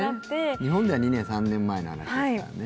日本では２年、３年前の話ですからね。